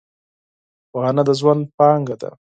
پوهنه د ژوند پانګه ده .